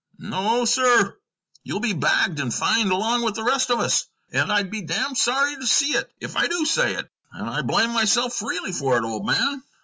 No, sir, you'll be bagged and fined along with the rest of us. And I'd be damned sorry to see it, if I do say it; and I blame myself freely for it, old man.